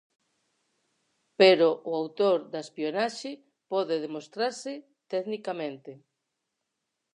Pero o autor da espionaxe pode demostrarse tecnicamente.